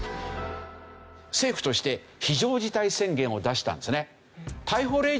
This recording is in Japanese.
政府として非常事態宣言を出したんですね。